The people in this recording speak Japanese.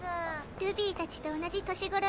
ルビィたちと同じ年頃で。